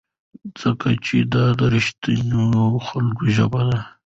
ځکه چې دا د رښتینو خلکو ژبه ده.